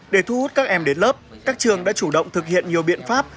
để thu hút các em đến lớp các trường đã chủ động thực hiện nhiều biện pháp